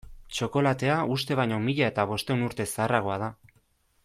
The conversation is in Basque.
Txokolatea uste baino mila eta bostehun urte zaharragoa da.